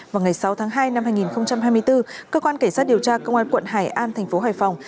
vào ngày sáu tháng hai năm hai nghìn hai mươi bốn cơ quan cảnh sát điều tra công an quận hải an thành phố hải phòng